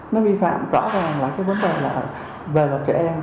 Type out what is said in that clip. nó vi phạm rõ ràng là cái vấn đề là về luật trẻ em